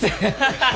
ハハハ！